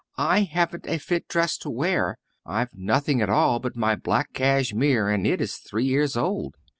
"I haven't a fit dress to wear I've nothing at all but my black cashmere and it is three years old."